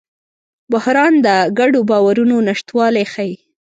بحران د ګډو باورونو نشتوالی ښيي.